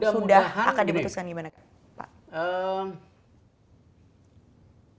sudah akan diputuskan gimana pak